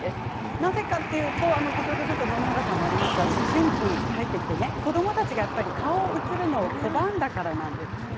なぜかというと野々村さんもありましたが思春期に入ってきて子どもたちが顔を写すのは拒んだからなんだそうです。